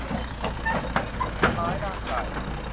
ทำร้ายร่างกาย